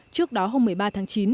trước đó hôm một mươi ba tháng chín